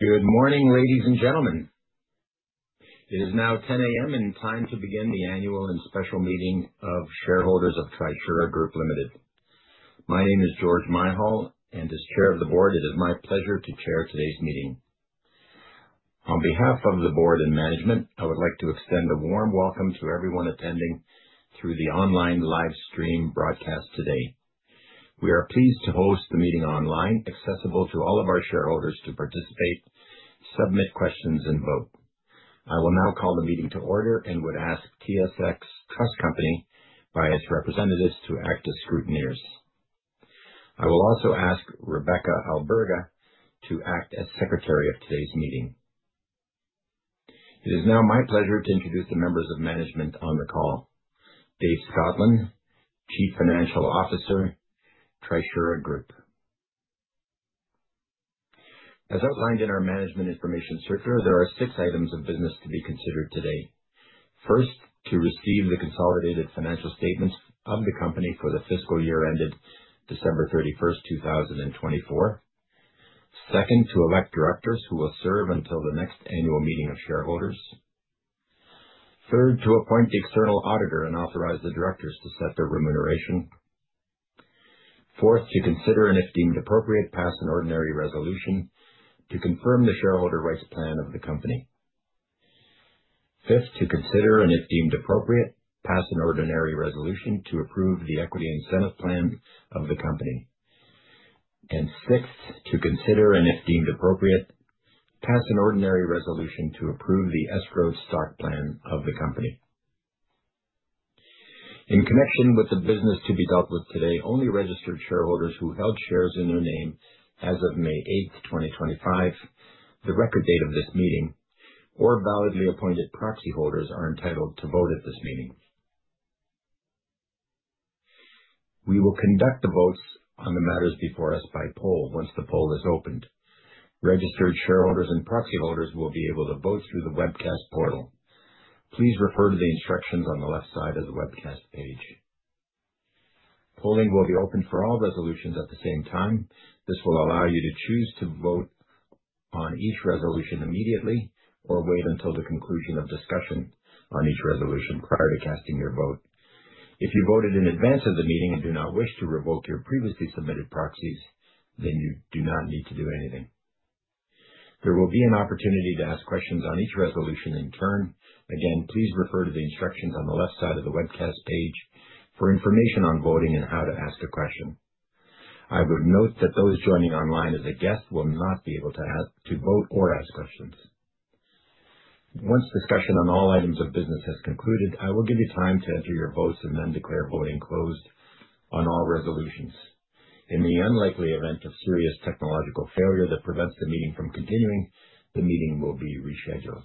Good morning, ladies and gentlemen. It is now 10:00 A.M., and time to begin the annual and special meeting of shareholders of Trisura Group Limited. My name is George Myhal, and as Chair of the Board, it is my pleasure to chair today's meeting. On behalf of the Board and management, I would like to extend a warm welcome to everyone attending through the online livestream broadcast today. We are pleased to host the meeting online, accessible to all of our shareholders to participate, submit questions, and vote. I will now call the meeting to order and would ask TSX Trust Company by its representatives to act as scrutineers. I will also ask Rebecca Alberga to act as Secretary of today's meeting. It is now my pleasure to introduce the members of management on the call: Dave Scotland, Chief Financial Officer, Trisura Group. As outlined in our management information circular, there are six items of business to be considered today. First, to receive the consolidated financial statements of the company for the fiscal year ended December 31, 2024. Second, to elect directors who will serve until the next annual meeting of shareholders. Third, to appoint the external auditor and authorize the directors to set their remuneration. Fourth, to consider, and if deemed appropriate, pass an ordinary resolution to confirm the shareholder rights plan of the company. Fifth, to consider, and if deemed appropriate, pass an ordinary resolution to approve the equity incentive plan of the company. Sixth, to consider, and if deemed appropriate, pass an ordinary resolution to approve the escrow stock plan of the company. In connection with the business to be dealt with today, only registered shareholders who held shares in their name as of May 8th, 2025, the record date of this meeting, or validly appointed proxy holders, are entitled to vote at this meeting. We will conduct the votes on the matters before us by poll once the poll is opened. Registered shareholders and proxy holders will be able to vote through the webcast portal. Please refer to the instructions on the left side of the webcast page. Polling will be open for all resolutions at the same time. This will allow you to choose to vote on each resolution immediately or wait until the conclusion of discussion on each resolution prior to casting your vote. If you voted in advance of the meeting and do not wish to revoke your previously submitted proxies, then you do not need to do anything. There will be an opportunity to ask questions on each resolution in turn. Again, please refer to the instructions on the left side of the webcast page for information on voting and how to ask a question. I would note that those joining online as a guest will not be able to vote or ask questions. Once discussion on all items of business has concluded, I will give you time to enter your votes and then declare voting closed on all resolutions. In the unlikely event of serious technological failure that prevents the meeting from continuing, the meeting will be rescheduled.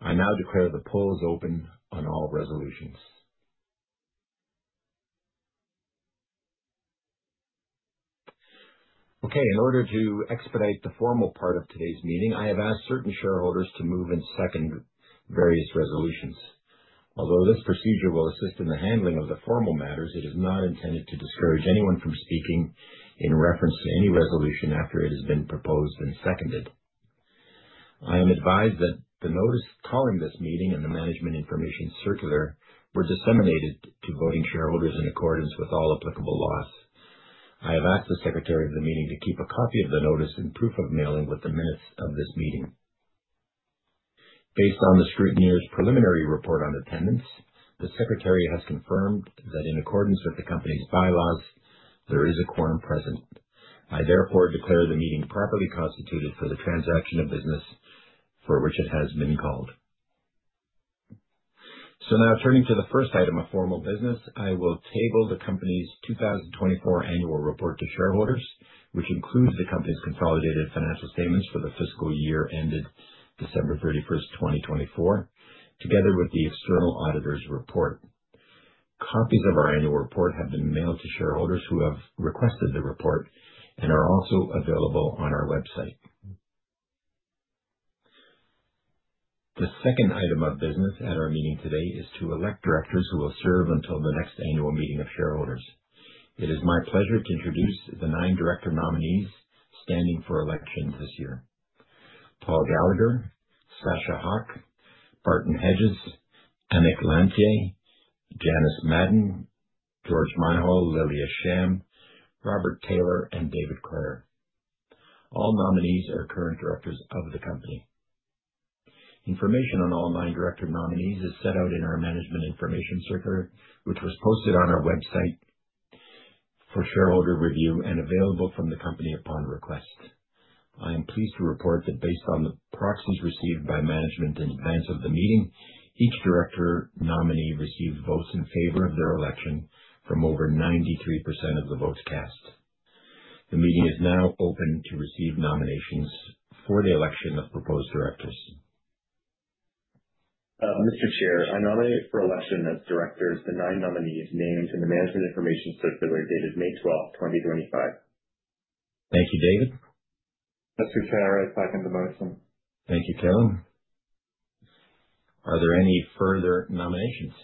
I now declare the polls open on all resolutions. Okay. In order to expedite the formal part of today's meeting, I have asked certain shareholders to move and second various resolutions. Although this procedure will assist in the handling of the formal matters, it is not intended to discourage anyone from speaking in reference to any resolution after it has been proposed and seconded. I am advised that the notice calling this meeting and the management information circular were disseminated to voting shareholders in accordance with all applicable laws. I have asked the Secretary of the meeting to keep a copy of the notice and proof of mailing with the minutes of this meeting. Based on the scrutineer's preliminary report on attendance, the Secretary has confirmed that in accordance with the company's bylaws, there is a quorum present. I therefore declare the meeting properly constituted for the transaction of business for which it has been called. Now, turning to the first item of formal business, I will table the company's 2024 annual report to shareholders, which includes the company's consolidated financial statements for the fiscal year ended December 31, 2024, together with the external auditor's report. Copies of our annual report have been mailed to shareholders who have requested the report and are also available on our website. The second item of business at our meeting today is to elect directors who will serve until the next annual meeting of shareholders. It is my pleasure to introduce the nine director nominees standing for election this year: Paul Gallagher, Sasha Hawk, Barton Hedges, Emmick Lanthier, Janice Madden, George Myhal, Lilia Sham, Robert Taylor, and David Clare. All nominees are current directors of the company. Information on all nine director nominees is set out in our management information circular, which was posted on our website for shareholder review and available from the company upon request. I am pleased to report that based on the proxies received by management in advance of the meeting, each director nominee received votes in favor of their election from over 93% of the votes cast. The meeting is now open to receive nominations for the election of proposed directors. Mr. Chair, I nominate for election as directors the nine nominees named in the management information circular dated May 12, 2025. Thank you, David. Mr. Chair, I second the motion. Thank you, Caleb. Are there any further nominations?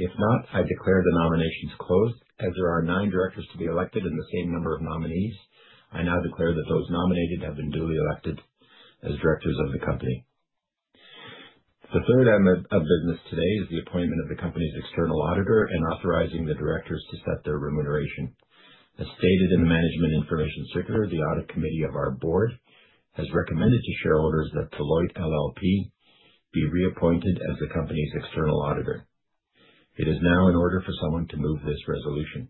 If not, I declare the nominations closed. As there are nine directors to be elected and the same number of nominees, I now declare that those nominated have been duly elected as directors of the company. The third item of business today is the appointment of the company's external auditor and authorizing the directors to set their remuneration. As stated in the management information circular, the audit committee of our board has recommended to shareholders that Deloitte LLP be reappointed as the company's external auditor. It is now in order for someone to move this resolution.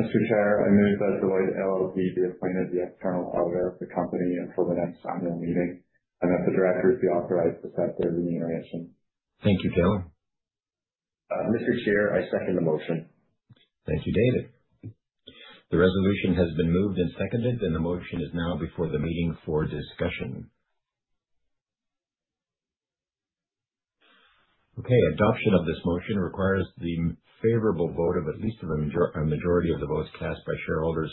Mr. Chair, I move that Deloitte LLP be appointed the external auditor of the company until the next annual meeting and that the directors be authorized to set their remuneration. Thank you, Caleb. Mr. Chair, I second the motion. Thank you, David. The resolution has been moved and seconded, and the motion is now before the meeting for discussion. Okay. Adoption of this motion requires the favorable vote of at least a majority of the votes cast by shareholders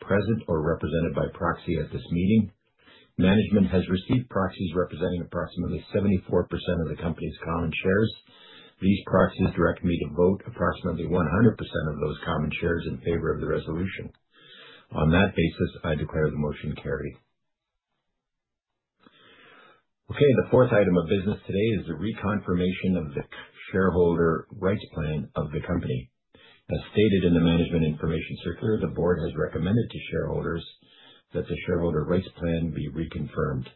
present or represented by proxy at this meeting. Management has received proxies representing approximately 74% of the company's common shares. These proxies direct me to vote approximately 100% of those common shares in favor of the resolution. On that basis, I declare the motion carried. Okay. The fourth item of business today is the reconfirmation of the shareholder rights plan of the company. As stated in the management information circular, the board has recommended to shareholders that the shareholder rights plan be reconfirmed.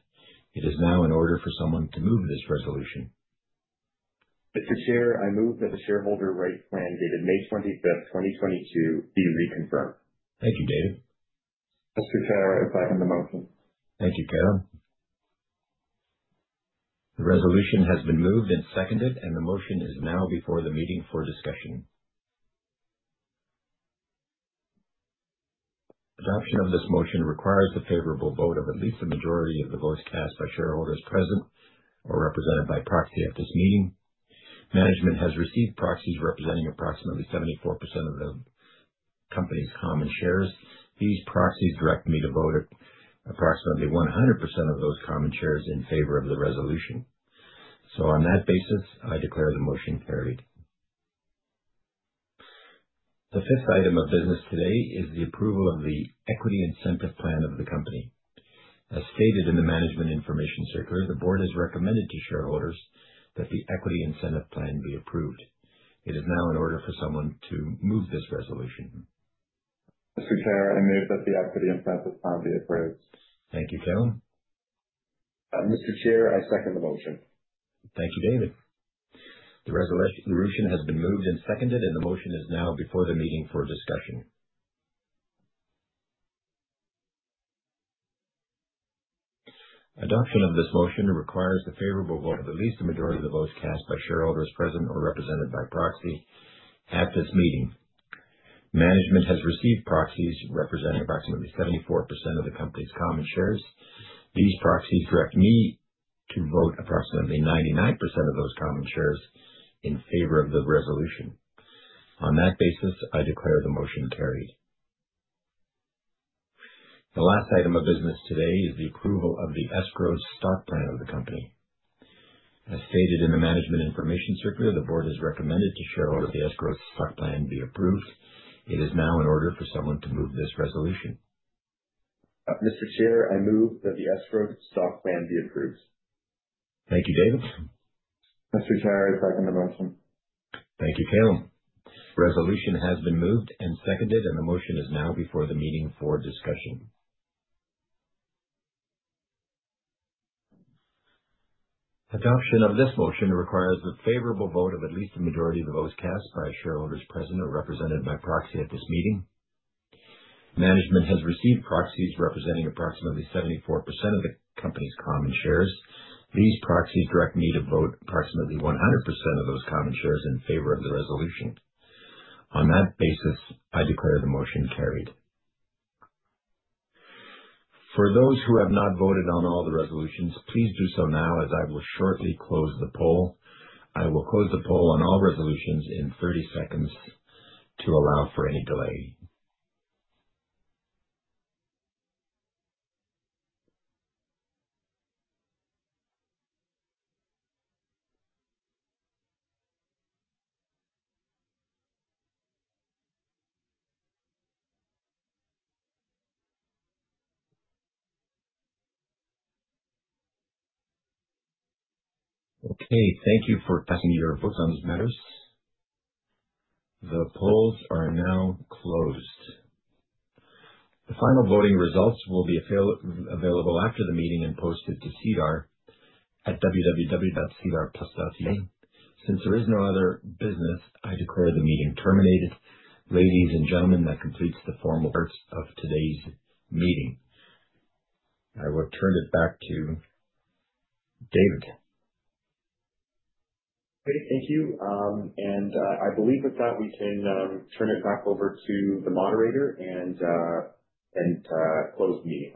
It is now in order for someone to move this resolution. Mr. Chair, I move that the shareholder rights plan dated May 25th, 2022, be reconfirmed. Thank you, David. Mr. Chair, I second the motion. Thank you, Caleb. The resolution has been moved and seconded, and the motion is now before the meeting for discussion. Adoption of this motion requires the favorable vote of at least a majority of the votes cast by shareholders present or represented by proxy at this meeting. Management has received proxies representing approximately 74% of the company's common shares. These proxies direct me to vote approximately 100% of those common shares in favor of the resolution. On that basis, I declare the motion carried. The fifth item of business today is the approval of the equity incentive plan of the company. As stated in the management information circular, the board has recommended to shareholders that the equity incentive plan be approved. It is now in order for someone to move this resolution. Mr. Chair, I move that the equity incentive plan be approved. Thank you, Caleb. Mr. Chair, I second the motion. Thank you, David. The resolution has been moved and seconded, and the motion is now before the meeting for discussion. Adoption of this motion requires the favorable vote of at least a majority of the votes cast by shareholders present or represented by proxy at this meeting. Management has received proxies representing approximately 74% of the company's common shares. These proxies direct me to vote approximately 99% of those common shares in favor of the resolution. On that basis, I declare the motion carried. The last item of business today is the approval of the escrow stock plan of the company. As stated in the management information circular, the board has recommended to shareholders that the escrow stock plan be approved. It is now in order for someone to move this resolution. Mr. Chair, I move that the escrow stock plan be approved. Thank you, David. Mr. Chair, I second the motion. Thank you, Caleb. Resolution has been moved and seconded, and the motion is now before the meeting for discussion. Adoption of this motion requires the favorable vote of at least a majority of the votes cast by shareholders present or represented by proxy at this meeting. Management has received proxies representing approximately 74% of the company's common shares. These proxies direct me to vote approximately 100% of those common shares in favor of the resolution. On that basis, I declare the motion carried. For those who have not voted on all the resolutions, please do so now as I will shortly close the poll. I will close the poll on all resolutions in 30 seconds to allow for any delay. Okay. Thank you for passing your votes on these matters. The polls are now closed. The final voting results will be available after the meeting and posted to SEDAR at www.sedarplus.ca. Since there is no other business, I declare the meeting terminated. Ladies and gentlemen, that completes the formal part of today's meeting. I will turn it back to David. Great. Thank you. I believe with that, we can turn it back over to the moderator and close the meeting.